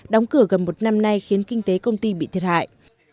đóng cửa gần một năm nay khiến kinh tế công ty bị thiệt hại